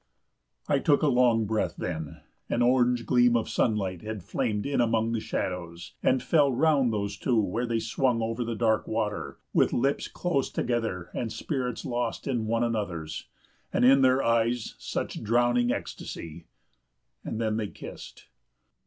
I took a long breath then. An orange gleam of sunlight had flamed in among the shadows and fell round those two where they swung over the dark water, with lips close together and spirits lost in one another's, and in their eyes such drowning ecstasy! And then they kissed!